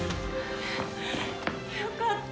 よかった！